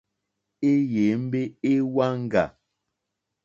Éyěmbé é wáŋɡà.